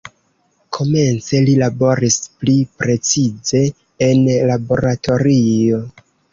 Komence li laboris pli precize en laboratorio.